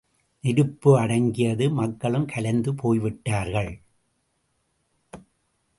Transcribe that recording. நெருப்பு அடங்கியது, மக்களும் கலைந்து போய்விட்டார்கள்.